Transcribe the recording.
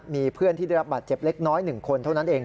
มีเพื่อนที่ได้รับบาดเจ็บเล็กน้อย๑คนเท่านั้นเอง